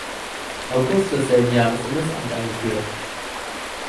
August desselben Jahres in das Amt eingeführt.